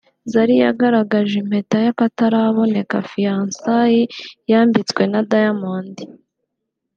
Zari yagaragaje impeta y’akataraboneka (fiancaille) yambitswe na Diamond